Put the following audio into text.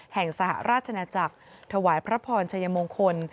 สหราชนาจักรถวายพระพรชัยมงคล